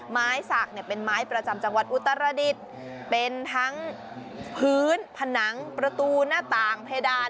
ไม้สักเนี่ยเป็นไม้ประจำจังหวัดอุตรดิษฐ์เป็นทั้งพื้นผนังประตูหน้าต่างเพดาน